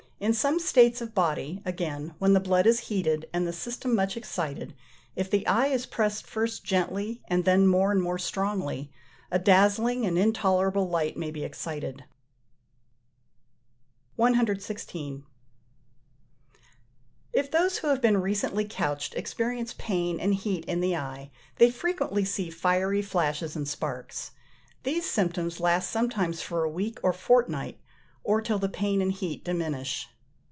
In some states of body, again, when the blood is heated, and the system much excited, if the eye is pressed first gently, and then more and more strongly, a dazzling and intolerable light may be excited. 116. If those who have been recently couched experience pain and heat in the eye, they frequently see fiery flashes and sparks: these symptoms last sometimes for a week or fortnight, or till the pain and heat diminish.